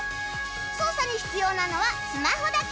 操作に必要なのはスマホだけ